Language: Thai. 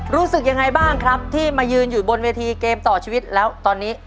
รู้สึกยังไงบ้างครับที่มายืนอยู่บนเวทีเกมต่อชีวิตแล้วตอนนี้